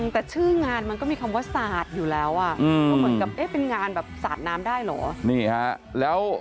แต่ชื่องานมันก็มีคำว่าสาดอยู่แล้วเป็นงานสาดน้ำได้เหรอ